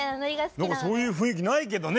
何かそういう雰囲気ないけどね。